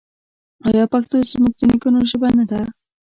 آیا پښتو زموږ د نیکونو ژبه نه ده؟